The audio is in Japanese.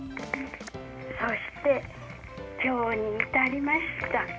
そして、今日に至りました。